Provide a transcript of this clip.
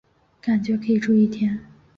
感觉可以住一天